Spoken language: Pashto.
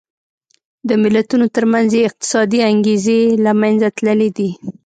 د ملتونو ترمنځ یې اقتصادي انګېزې له منځه تللې دي.